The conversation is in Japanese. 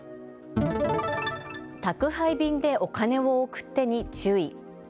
宅配便でお金を送ってに注意。